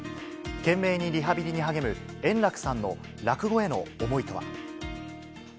懸命にリハビリに励む円楽さんの落語への思いとは。